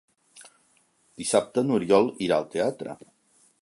Dissabte n'Oriol irà al teatre.